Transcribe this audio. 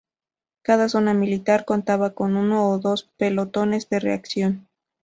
Cada zona militar contaba con uno o dos pelotones de reacción.